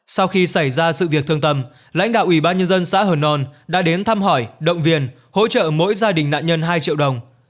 sau khi xảy ra sự việc thương tâm lãnh đạo ủy ban nhân dân xã hờ nòn đã đến thăm hỏi động viên hỗ trợ mỗi gia đình nạn nhân hai triệu đồng